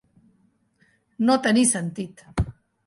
No tenir sentit.